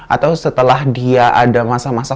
atau setelah dia ada masa masa